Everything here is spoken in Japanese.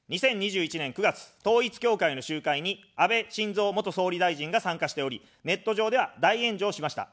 ２０２１年９月、統一教会の集会に安倍晋三元総理大臣が参加しており、ネット上では大炎上しました。